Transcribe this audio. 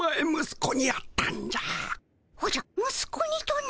おじゃ息子にとな？